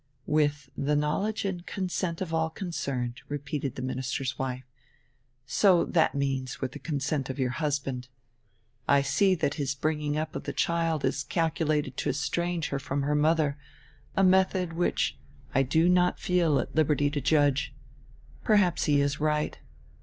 "With die knowledge and consent of all concerned," re peated die minister's wife. "So diat means with the con sent of your husband. I see diat his bringing up of die child is calculated to estrange her from her modier, a mediod which I do not feel at liberty to judge. Perhaps he is right.